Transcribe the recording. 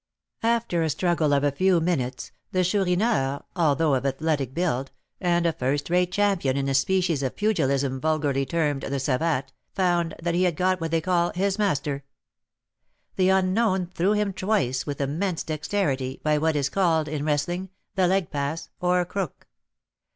After a struggle of a few minutes, the Chourineur, although of athletic build, and a first rate champion in a species of pugilism vulgarly termed the savate, found that he had got what they call his master. The unknown threw him twice with immense dexterity, by what is called, in wrestling, the leg pass, or crook.